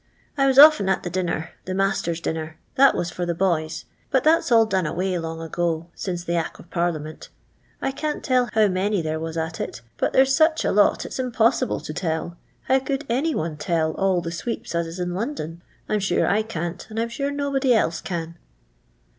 I was often at the dinner — the mastora' dinner — that was for the boya; hut that's all done away long ago, since the Ack of Parliament I can't toll how many there was at it, but there 's such a lot it 's impos sible to teU. How could any one toll all the sweeps as is in London 1 I 'm siurc I can't, and I 'm sure nobody else can."